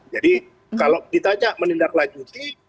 jadi kalau ditanya menindaklanjuti